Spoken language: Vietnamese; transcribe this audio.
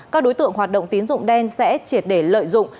các đối tượng hoạt động tín dụng đen sẽ triệt để lợi dụng